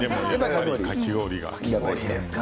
かき氷が。